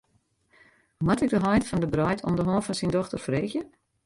Moat ik de heit fan de breid om de hân fan syn dochter freegje?